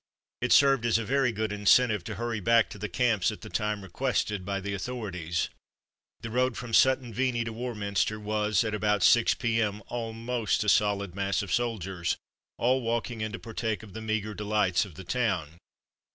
It served as a very good incentive to hurry back to the camps at the time requested by the author ities. The road from Sutton Veney to Warminster was, at about 6 p.m., almost a A One Horse Township 71 solid mass of soldiers, all walking in to par take of the meagre delights of the town.